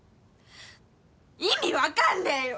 意味分かんねえよ！